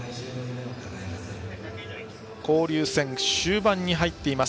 交流戦終盤に入ってきています。